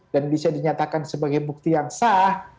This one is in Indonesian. dan bisa dinyatakan sebagai bukti yang sah